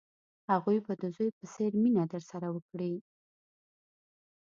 هغوی به د زوی په څېر مینه درسره وکړي.